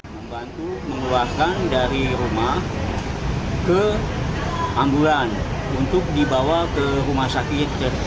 membantu mengeluarkan dari rumah ke ambulan untuk dibawa ke rumah sakit